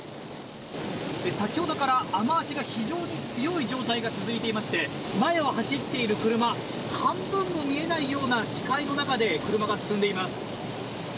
先ほどから雨脚が非常に強い状態が続いていまして前を走っている車半分も見えないような視界の中で車が進んでいます。